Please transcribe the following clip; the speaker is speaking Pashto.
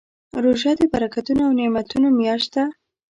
روژه د برکتونو او نعمتونو میاشت ده.